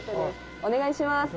「お願いします」